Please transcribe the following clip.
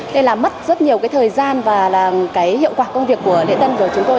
nên là mất rất nhiều cái thời gian và là cái hiệu quả công việc của lễ tân của chúng tôi